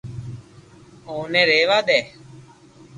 اوني رھيوا دي